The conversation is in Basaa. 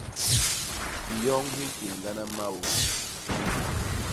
Hinyoñ hi ntééñgana maô.